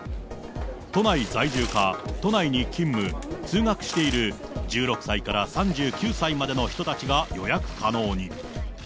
都内在住か、都内に勤務・通学している、１６歳から３９歳までの人たちが予約可能に。